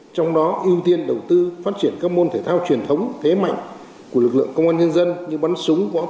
trong đó ưu tiên đầu tư phát triển các môn thể thao truyền thống thế mạnh của lực lượng công an nhân dân như bắn súng